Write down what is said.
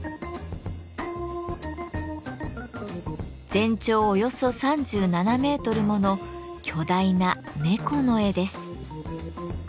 全長およそ３７メートルもの巨大な猫の絵です。